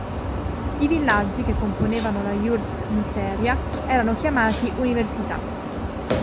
I "villaggi" che componevano la Urbs Nuceria erano chiamati "Università".